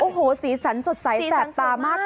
โอ้โหสีสันสดใสแสบตามากเลย